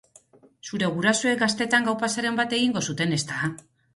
Zure gurasoek gaztetan gaupasaren bat egingo zuten, ezta?